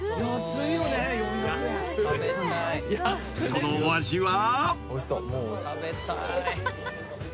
［そのお味は］